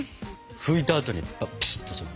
拭いたあとにピシッとする。